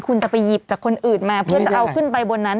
คุณจะไปหยิบจากคนอื่นมาเพื่อจะเอาขึ้นไปบนนั้น